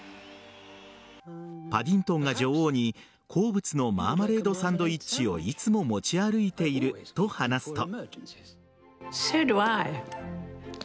パディントンが女王に好物のマーマレードサンドイッチをいつも持ち歩いていると話すと。